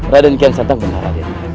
raden kian santang benar raden